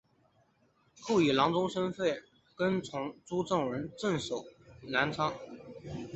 后以郎中身份跟从朱文正镇守南昌。